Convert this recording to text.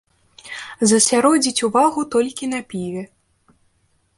Засяродзіць увагу толькі на піве.